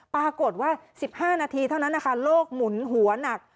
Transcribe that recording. ปรากฏว่า๑๕นาทีเท่านั้นนะคะโรคหมุนหัวหนัก